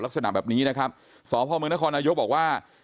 ลักษณะแบบนี้นะครับสพมนครนายกบอกว่า